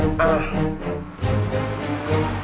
ขอบคุณบุคคล